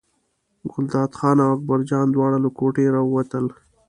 ګلداد خان او اکبرجان دواړه له کوټې راووتل.